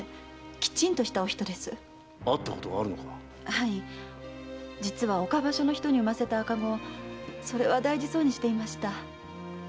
はい実は岡場所の人に産ませた赤子をそれは大事そうにしていました。